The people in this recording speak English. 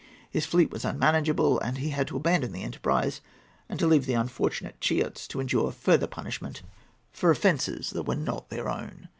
His fleet was unmanageable, and he had to abandon the enterprise and to leave the unfortunate Chiots to endure further punishment for offences that were not their own.